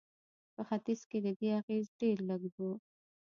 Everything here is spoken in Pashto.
په ختیځ کې د دې اغېز ډېر لږ و.